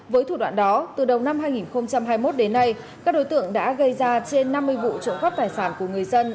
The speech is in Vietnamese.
với thủ đoạn đó từ đầu năm hai nghìn hai mươi một đến nay các đối tượng đã gây ra trên năm mươi vụ trộm cắp tài sản của người dân